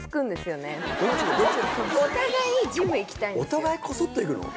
お互いコソっと行くの？